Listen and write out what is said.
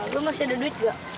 gue masih ada duit gak